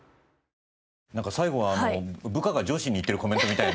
なんか最後は部下が上司に言ってるコメントみたいな。